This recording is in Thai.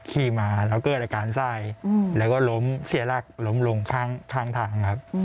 ขี่มาแล้วเกิดอาการไส้แล้วก็ล้มเสียหลักล้มลงข้างทางครับ